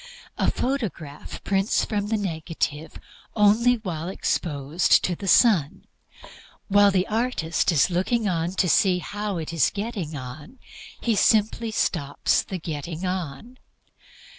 A photograph prints from the negative only while exposed to the sun. While the artist is looking to see how it is getting on he simply stops the getting on.